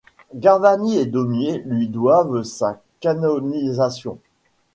Gavarni et Daumier lui doivent sa canonisation.